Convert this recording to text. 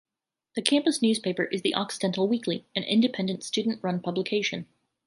The campus newspaper is the "Occidental Weekly", an independent, student-run publication.